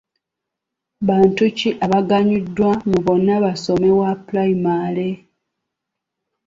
Bantu ki abaganyuddwa mu bonnabasome wa pulayimale?